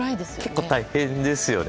結構大変ですよね。